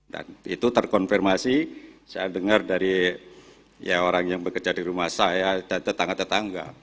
dan itu terkonfirmasi saya dengar dari orang yang bekerja di rumah saya dan tetangga tetangga